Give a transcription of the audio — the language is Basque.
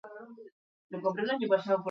Sumarioa sekretupean jarri du epaileak.